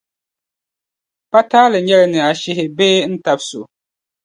pa taali n nyɛ li ni a shihi bee n tabisi so.